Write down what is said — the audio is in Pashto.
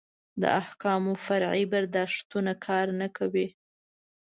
د احکامو فرعي برداشتونه کار نه کوي.